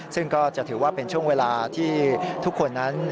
ซึ่งก็จะถือว่าเป็นช่วงเวลาที่ทุกคนนั้น